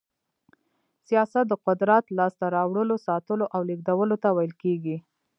سياست د قدرت لاسته راوړلو، ساتلو او لېږدولو ته ويل کېږي.